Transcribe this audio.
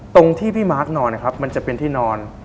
ตรงที่พี่มาร์คนอนนะครับมันจะเป็นที่นอน